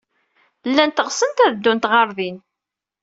Llant ɣsent ad ddunt ɣer din.